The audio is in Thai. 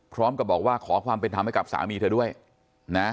พร้อมกับบอกว่าขอความเป็นธรรมให้กับสามีเธอด้วยนะ